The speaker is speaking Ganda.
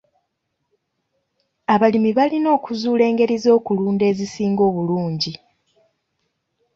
Abalimi balina okuzuula engeri z'okulunda ezisinga obulungi.